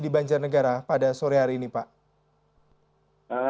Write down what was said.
banyak sekali pohon yang tumbang